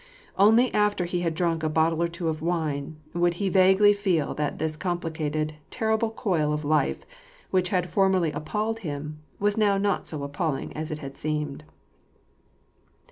Only after he had drunk a bottle ■ or two of wine, would he vaguely feel that this complicated, terrible coil of life, which had formerly appalled him, was now not so appal ling as it had seemed.